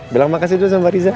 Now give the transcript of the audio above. bilang makasih dulu sama riza